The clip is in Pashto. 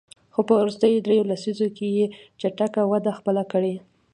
خو په وروستیو دریوو لسیزو کې یې چټکه وده خپله کړې.